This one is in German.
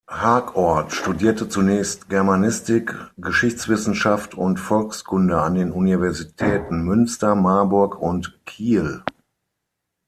Harkort studierte zunächst Germanistik, Geschichtswissenschaft und Volkskunde an den Universitäten Münster, Marburg und Kiel.